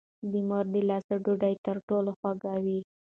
د مور د لاس ډوډۍ تر ټولو خوږه وي.